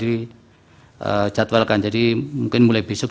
dijadwalkan jadi mungkin mulai besok